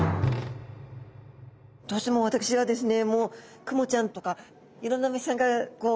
どうしても私はですね